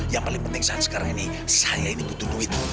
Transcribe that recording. yang paling penting saat sekarang ini saya ini butuh duit